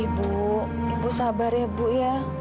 ibu ibu sabar ya bu ya